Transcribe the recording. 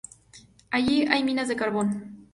Allí hay minas de carbón.